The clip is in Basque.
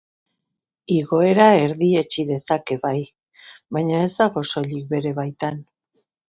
Igoera erdietsi dezake bai, baina ez dago soilik bere baitan.